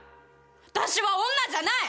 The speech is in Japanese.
私は女じゃない！